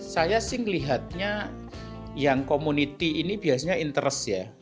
saya sih melihatnya yang community ini biasanya interest ya